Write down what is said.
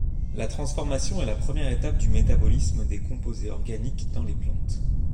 La transformation est la première étape du métabolisme des composés organiques dans les plantes.